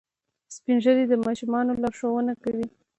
سپین ږیری د ماشومانو لارښوونه کوي